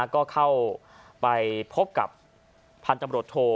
ก็เข้าไปพบกับพันธบริษัทโท